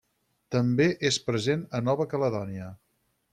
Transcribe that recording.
També és present a Nova Caledònia.